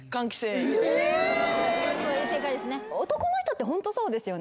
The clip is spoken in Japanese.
男の人ってホントそうですよね。